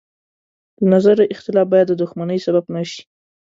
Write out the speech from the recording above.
د نظر اختلاف باید د دښمنۍ سبب نه شي.